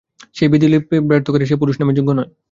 যে সেই বিধিলিপিকে ব্যর্থ করে সে পুরুষ নামের যোগ্য নয়।